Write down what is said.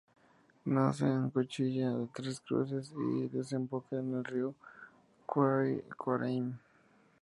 Nace en la Cuchilla de Tres Cruces y desemboca en el río Cuareim.